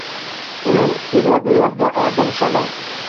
ئۇنىڭ ئۈستىگە بۇ يەردە ئادەم شالاڭ.